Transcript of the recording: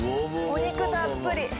お肉たっぷり。